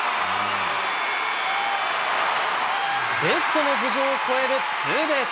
レフトの頭上を越えるツーベース。